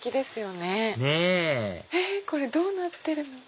ねぇこれどうなってるの？